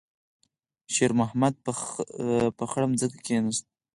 شېرمحمد په خړه ځمکه کېناست.